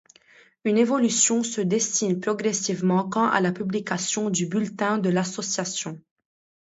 Une évolution se dessine progressivement quant à la publication du bulletin de l'association.